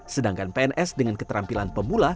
sedangkan pns dengan keterampilan pemula